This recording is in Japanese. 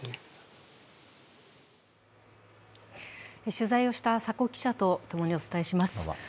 取材をした佐古記者と共にお伝えします。